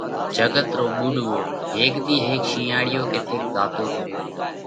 جڳت رو ٻُوڏوو: هيڪ ۮِي هيڪ شِينئاۯِيو ڪٿئيڪ زاتو تو۔